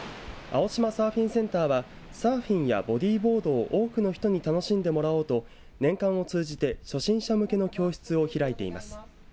青島サーフィンセンターはサーフィンやボディボードを多くの人に楽しんでもらおうと年間を通じて初心者向けの教室を開いています。